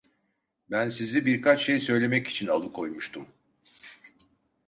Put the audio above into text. Ben sizi, birkaç şey söylemek için alıkoymuştum…